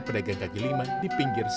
kabila kejadian biasa dipakai herkes